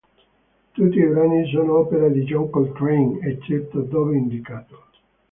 Tutti i brani sono opera di John Coltrane eccetto dove indicato.